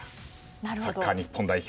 サッカー日本代表。